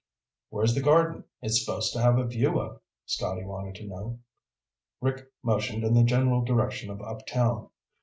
"Where's the garden it's supposed to have a view of?" Scotty wanted to know. Rick motioned in the general direction of uptown.